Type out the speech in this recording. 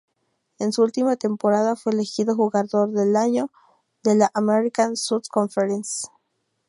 En su última temporada fue elegido Jugador del Año de la American South Conference.